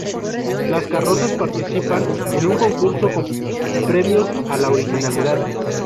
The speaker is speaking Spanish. Las carrozas participan en un concurso con premios a la originalidad.